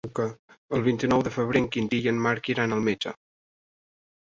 El vint-i-nou de febrer en Quintí i en Marc iran al metge.